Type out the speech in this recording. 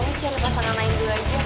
kamu jangan lepas lepas nganain dulu aja